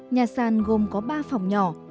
nhà sàn gồm có ba phòng nhỏ